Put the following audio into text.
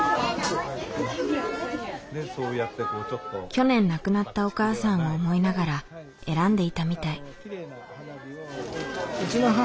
去年亡くなったお母さんを思いながら選んでいたみたい。